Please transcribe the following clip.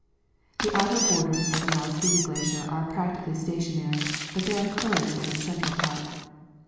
The outer borders of the Malaspina glacier are practically stationary, but there are currents in its central part.